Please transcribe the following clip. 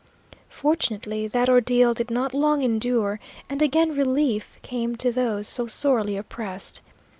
Fortunately that ordeal did not long endure, and again relief came to those so sorely oppressed.